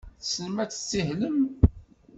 Tessnem ad tessihlem?